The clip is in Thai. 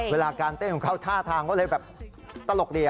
เวลาการเต้นของเขาท่าทางก็เลยแบบตลกดี